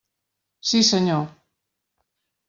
Sí senyor!